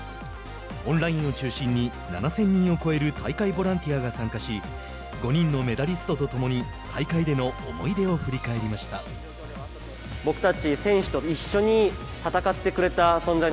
オンラインを中心に７０００人を超える大会ボランティアが参加し５人のメダリストと共に大会での思い出を振り返りました。